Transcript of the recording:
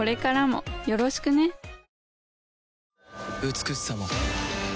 美しさも